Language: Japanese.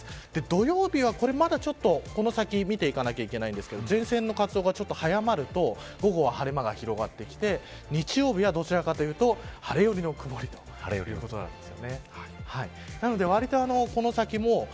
土曜日はこの先、まだ見ていかなければいけないんですが前線の活動が早まると午後は晴れ間が広がってきて日曜日はどちらかというと晴れ寄りの曇りということなんです。